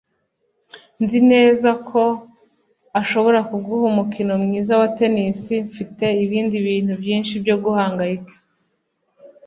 Nzi neza ko ashobora kuguha umukino mwiza wa tennis. Mfite ibindi bintu byinshi byo guhangayika.